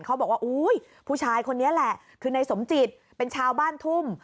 บอกว่าอุ้ยผู้ชายคนนี้แหละคือในสมจิตเป็นชาวบ้านทุ่ม